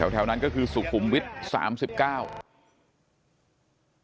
แถวนั้นก็คือสุขุมวิทย์๓๙